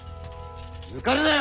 抜かるなよ！